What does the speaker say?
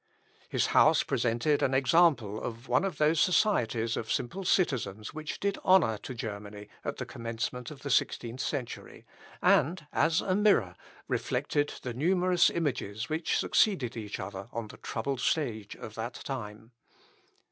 His house presented an example of one of those societies of simple citizens which did honour to Germany at the commencement of the sixteenth century, and, as a mirror, reflected the numerous images which succeeded each other on the troubled stage of that time.